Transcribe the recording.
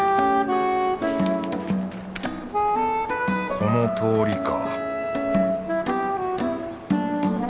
この通りか